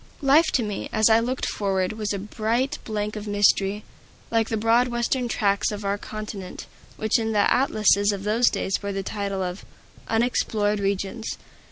Life to me, as I looked forward, was a bright blank of mystery, like the broad Western tracts of our continent, which in the atlases of those days bore the title of "Unexplored Regions."